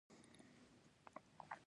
زه طبیعت خوښوم